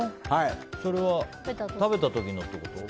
それは食べた時のってこと？